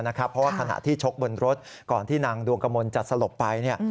เพราะว่าขณะที่ชกบนรถก่อนที่นางดวงกระมนจะสลบไป